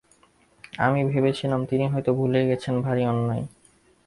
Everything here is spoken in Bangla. আমি ভাবছিলেম তিনি হয়তো ভুলেই গেছেন– ভারি অন্যায়!